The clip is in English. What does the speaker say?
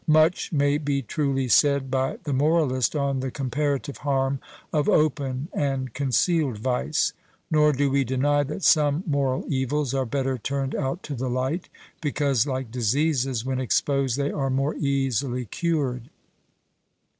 Much may be truly said by the moralist on the comparative harm of open and concealed vice. Nor do we deny that some moral evils are better turned out to the light, because, like diseases, when exposed, they are more easily cured.